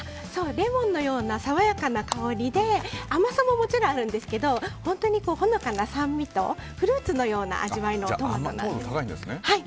レモンのような爽やかな香りで甘さももちろんあるんですけど本当にほのかな酸味とフルーツのような味わいのトマトになっています。